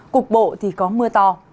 cục bộ thì có mưa to